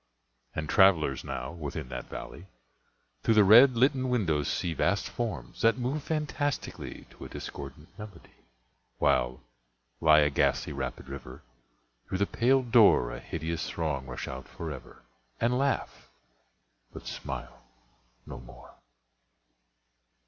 And travellers, now, within that valley, Through the red litten windows see Vast forms, that move fantastically To a discordant melody, While, like a ghastly rapid river, Through the pale door A hideous throng rush out forever And laugh—but smile no more.